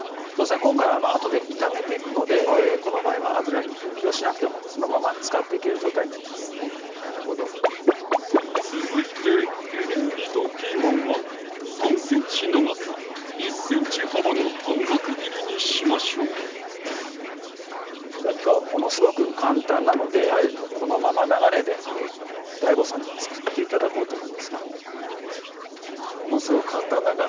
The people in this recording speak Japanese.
今回はあとで炒めていくのでこの場合は油抜きをしなくてもそのまま使っていける状態になりますなるほど続いてエリンギとピーマンは３ｃｍ長さ１ｃｍ幅の短冊切りにしましょうではきょうはものすごく簡単なのでこのまま流れでＤＡＩＧＯさんに作って頂こうと思うんですけどもものすごく簡単だから？